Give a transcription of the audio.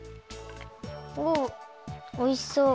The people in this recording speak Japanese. おっおいしそう。